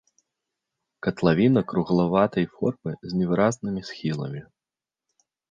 Катлавіна круглаватай формы з невыразнымі схіламі.